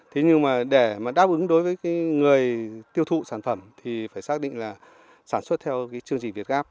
thế nhưng mà để mà đáp ứng đối với người tiêu thụ sản phẩm thì phải xác định là sản xuất theo cái chương trình việt gáp